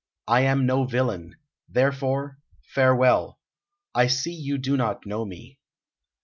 I am no villain. Therefore, farewell. I see you do not know me."